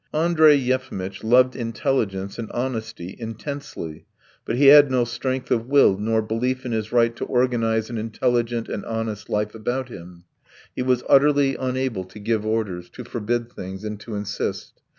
Andrey Yefimitch loved intelligence and honesty intensely, but he had no strength of will nor belief in his right to organize an intelligent and honest life about him. He was absolutely unable to give orders, to forbid things, and to insist.